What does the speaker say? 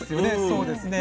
そうですね。